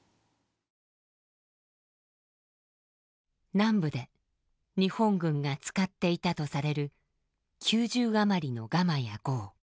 南部で日本軍が使っていたとされる９０余りのガマや壕。